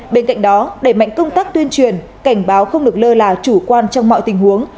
bên cạnh đó đẩy mạnh công tác tuyên truyền cảnh báo không được lơ là chủ quan trong mọi tình huống